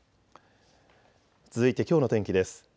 続いてきょうの天気です。